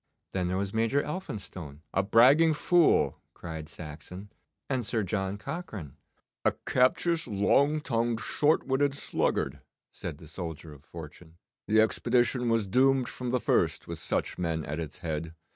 'Then there was Major Elphinstone.' 'A bragging fool!' cried Saxon.' 'And Sir John Cochrane.' 'A captious, long tongued, short witted sluggard,' said the soldier of fortune. 'The expedition was doomed from the first with such men at its head.